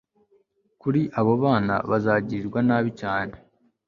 kuri abo bana bazagirirwa nabi cyane